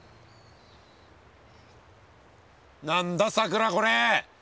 何ださくらこれ？